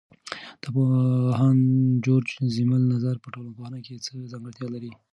د پوهاند جورج زیمل نظر په ټولنپوهنه کې څه ځانګړتیا لري؟